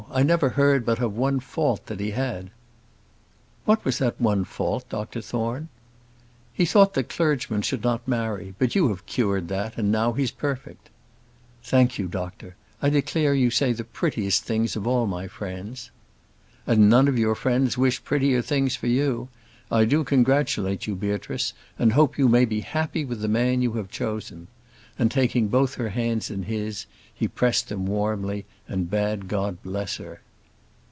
I never heard but of one fault that he had." "What was that one fault, Doctor Thorne?" "He thought that clergymen should not marry. But you have cured that, and now he's perfect." "Thank you, doctor. I declare that you say the prettiest things of all my friends." "And none of your friends wish prettier things for you. I do congratulate you, Beatrice, and hope you may be happy with the man you have chosen;" and taking both her hands in his, he pressed them warmly, and bade God bless her.